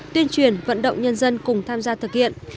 tuyên truyền vận động nhân dân cùng tham gia thực hiện